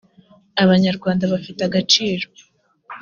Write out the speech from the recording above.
abanyarwanda bafite agaciro.